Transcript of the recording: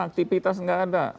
aktifitas gak ada